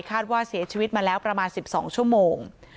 ว่าเสียชีวิตมาแล้วประมาณ๑๒ชั่วโมง